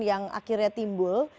yang akhirnya timbul